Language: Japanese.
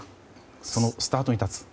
そのスタートに立つ？